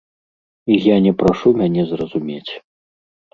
І я не прашу мяне зразумець.